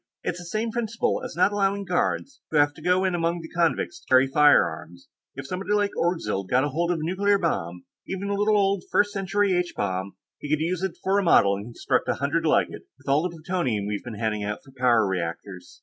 "It's the same principle as not allowing guards who have to go in among the convicts to carry firearms. If somebody like Orgzild got hold of a nuclear bomb, even a little old First Century H bomb, he could use it for a model and construct a hundred like it, with all the plutonium we've been handing out for power reactors.